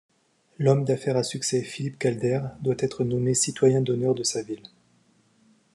L'homme d'affaires à succès Philip Kalder doit être nommé citoyen d'honneur de sa ville.